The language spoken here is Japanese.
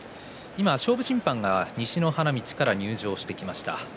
勝負審判が西の花道から入場してきました。